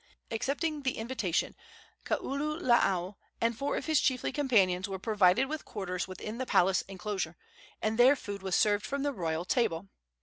Accepting the invitation, Kaululaau and four of his chiefly companions were provided with quarters within the palace enclosure, and their food was served from the royal table.